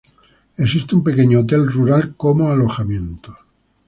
Existe un pequeño hotel rural como alojamiento.